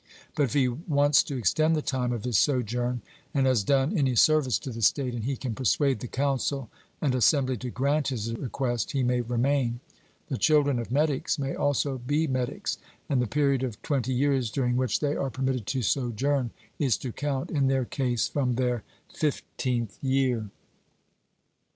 But if he wants to extend the time of his sojourn, and has done any service to the state, and he can persuade the council and assembly to grant his request, he may remain. The children of metics may also be metics; and the period of twenty years, during which they are permitted to sojourn, is to count, in their case, from their fifteenth year.